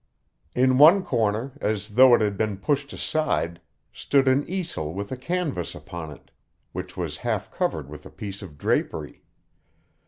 In one corner, as though it had been pushed aside, stood an easel with a canvas upon it, which was half covered with a piece of drapery.